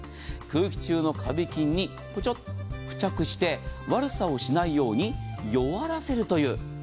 空気中のカビ菌に付着して、悪さをしないように弱らせるという。